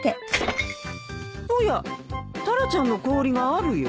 おやタラちゃんの氷があるよ。